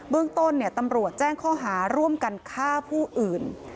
เรื่องต้นตำรวจแจ้งข้อหาร่วมกันฆ่าผู้อื่น